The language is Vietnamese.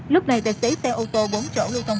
lúc này tài xế xe ô tô bốn chỗ lưu thông